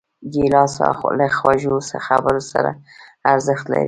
ګیلاس له خوږو خبرو سره ارزښت لري.